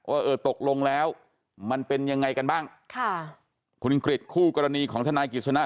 เออตกลงแล้วมันเป็นยังไงกันบ้างค่ะคุณกริจคู่กรณีของทนายกฤษณะ